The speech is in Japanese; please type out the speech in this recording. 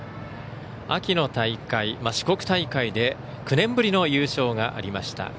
秋の大会、四国大会で９年ぶりの優勝がありました。